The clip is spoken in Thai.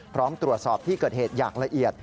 พร้อมตรวจสอบที่เกิดเหตุอย่างละเอียด